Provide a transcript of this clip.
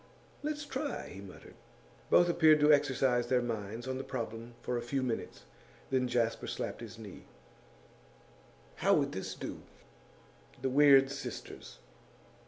'Let's try,' he muttered. Both appeared to exercise their minds on the problem for a few minutes. Then Jasper slapped his knee. 'How would this do: "The Weird Sisters"?